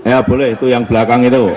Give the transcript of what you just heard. ya boleh itu yang belakang itu